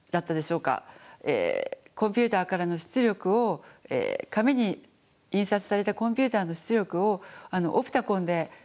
コンピューターからの出力を紙に印刷されたコンピューターの出力をオプタコンで読んでいる自分。